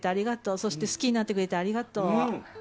そして好きになってくれてありがとう。